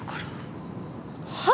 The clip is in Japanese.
はっ？